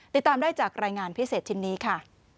ติดตามได้จากรายงานพิเศษชิ้นนี้ค่ะ